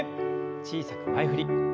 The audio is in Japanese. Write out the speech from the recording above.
小さく前振り。